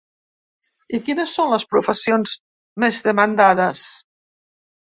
I quines són les professions més demandades?